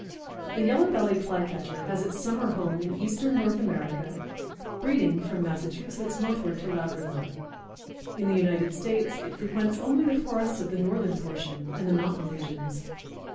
The Yellow bellied Flycatcher has its summer home in eastern North America, breeding from Massachusetts northward to Labrador. In the United States it frequents only the forests of the northern portion and the mountain regions.